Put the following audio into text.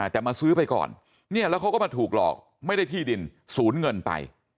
แต่มาซื้อไปก่อนเนี่ยแล้วเขาก็มาถูกหลอกไม่ได้ที่ดินสูญเงินไป